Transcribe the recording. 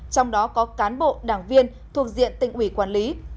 trong đó có cán bộ đảng viên thuộc diện tỉnh ủy quản lý